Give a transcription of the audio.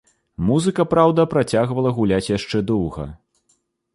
Музыка, праўда, працягвала гуляць яшчэ доўга.